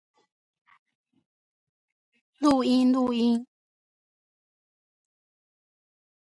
國際迎賓大道